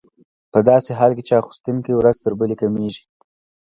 په داسې حال کې چې اخیستونکي ورځ تر بلې کمېږي